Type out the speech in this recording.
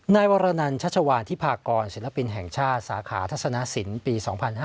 นายวรนันชัชวานทิพากรศิลปินแห่งชาติสาขาทัศนสินปี๒๕๕๙